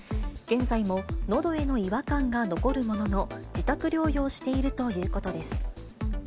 現在ものどへの違和感が残るものの、自宅療養しているということです。